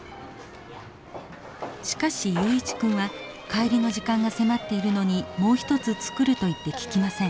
しかし雄一君は帰りの時間が迫っているのにもう一つ作ると言って聞きません。